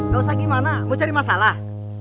gak usah gimana mau cari masalah